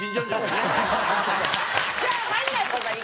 じゃあ入らない方がいいか。